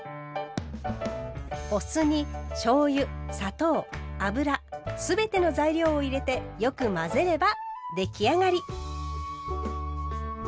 お酢にしょうゆ砂糖油すべての材料を入れてよく混ぜれば出来上がり。